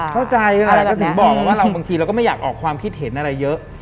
เข้าใจอะไรก็ถึงบอกว่าเราบางทีเราก็ไม่อยากออกความคิดเห็นอะไรเยอะ